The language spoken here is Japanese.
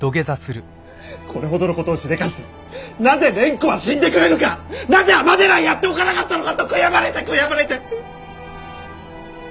これほどの事をしでかしてなぜ蓮子は死んでくれぬかなぜ尼寺へやっておかなかったのかと悔やまれて悔やまれて！